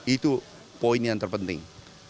itu poin yang terpenting